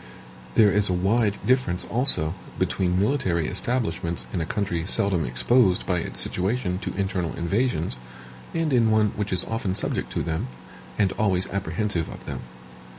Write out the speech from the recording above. There is a wide difference, also, between military establishments in a country seldom exposed by its situation to internal invasions, and in one which is often subject to them, and always apprehensive of them.